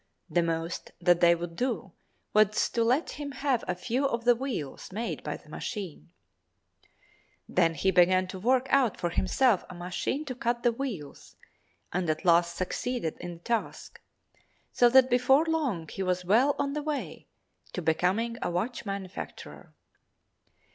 The most that they would do was to let him have a few of the wheels made by the machine. Then he began to work out for himself a machine to cut the wheels, and at last succeeded in the task, so that before long he was well on the way to becoming a watch manufacturer.